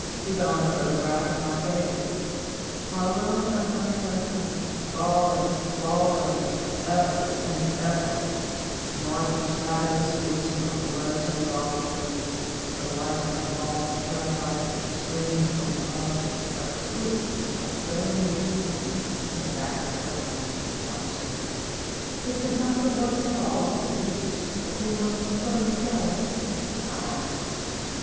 He found a photograph of my favorite " Paolo and Francesca," falling, falling, forever and ever, murky shadows reaching from below to engulf them, the light of lost Paradise stream ing from above, a troop of filmy forms in the background watching. " Is it not the worst of all for each that they must both go?" I asked.